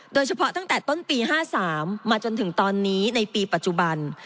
โดยเฉพาะตั้งแต่ต้นปี๕๓มาจนถึงตอนนี้ในปีปัจจุบัน